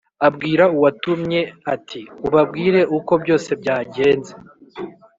abwira uwatumye ati"ubabwire uko byose byagenze